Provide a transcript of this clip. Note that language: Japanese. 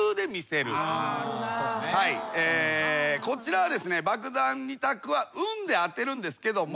こちらはですね爆弾二択は運で当てるんですけども。